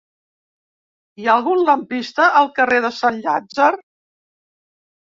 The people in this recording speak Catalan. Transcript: Hi ha algun lampista al carrer de Sant Llàtzer?